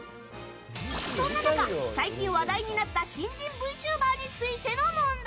そんな中、最近話題になった新人ＶＴｕｂｅｒについての問題。